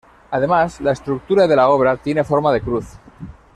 Además, la estructura de la obra tiene forma de cruz.